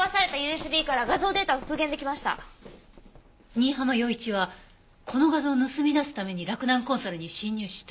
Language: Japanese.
新浜陽一はこの画像を盗み出すために洛南コンサルに侵入した。